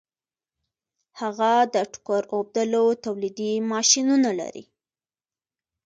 هغه د ټوکر اوبدلو تولیدي ماشینونه لري